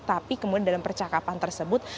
tapi kemudian dalam percakapan tersebut